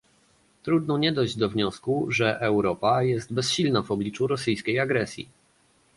Trudno nie dojść do wniosku, że Europa jest bezsilna w obliczu rosyjskiej agresji